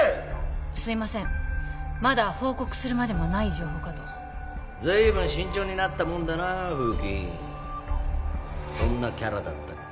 すいませんまだ報告するまでもない情報かと随分慎重になったもんだな風紀委員そんなキャラだったっけ？